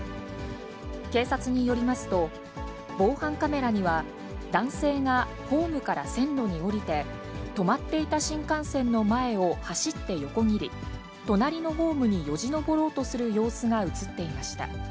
警察によりますと、防犯カメラには、男性がホームから線路に下りて、止まっていた新幹線の前を走って横切り、隣のホームによじ登ろうとする様子が写っていました。